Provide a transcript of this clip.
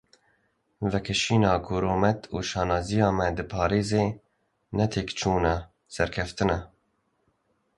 Vekişîna ku rûmet û şanaziya me diparêze, ne têkçûn e, serkeftin e.